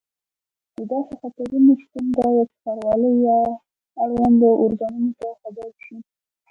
د داسې خطرونو شتون باید ښاروالۍ یا اړوندو ارګانونو ته خبر شي.